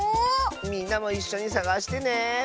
みんなもいっしょにさがしてね！